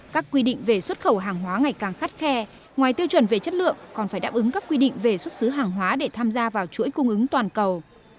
các quy định về xuất khẩu hàng hóa ngày càng khắt khe ngoài tiêu chuẩn về chất lượng còn phải đáp ứng các quy định về xuất xứ hàng hóa để tham gia vào chuỗi cung ứng toàn cầu